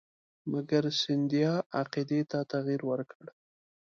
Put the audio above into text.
مګر سیندهیا عقیدې ته تغیر ورکړ.